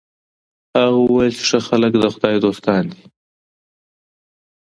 هغه وویل چي ښه خلک د خدای دوستان دي.